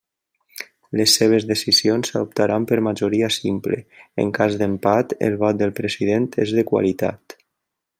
Les seves decisions s'adoptaran per majoria simple, en cas d'empat el vot del President és de qualitat.